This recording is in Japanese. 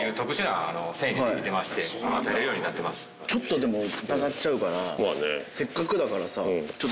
ちょっとでも疑っちゃうからせっかくだからさちょっと。